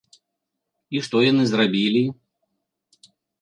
І што яны зрабілі?